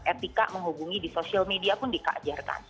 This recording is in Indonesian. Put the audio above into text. etika menghubungi di sosial media pun diajarkan